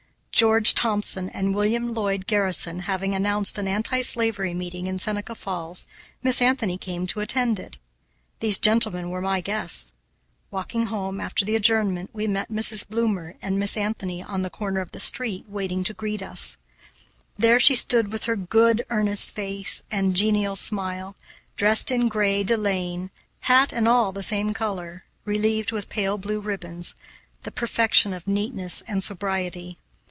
George Thompson and William Lloyd Garrison having announced an anti slavery meeting in Seneca Falls, Miss Anthony came to attend it. These gentlemen were my guests. Walking home, after the adjournment, we met Mrs. Bloomer and Miss Anthony on the corner of the street, waiting to greet us. There she stood, with her good, earnest face and genial smile, dressed in gray delaine, hat and all the same color, relieved with pale blue ribbons, the perfection of neatness and sobriety.